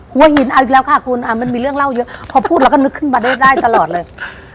หัวหินเอาอีกแล้วค่ะคุณมันมีเรื่องเล่าเยอะพอพูดเราก็นึกขึ้นมาได้ตลอดเลย